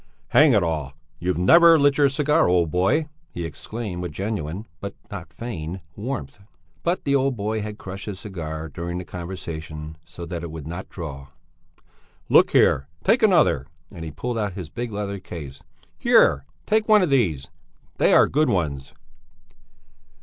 "Hang it all, you've never lit your cigar, old boy!" he exclaimed with genuine, not feigned, warmth. But the old boy had crushed his cigar during the conversation, so that it would not draw. "Look here! Take another!" and he pulled out his big leather case. "Here! Take one of these! They are good ones!"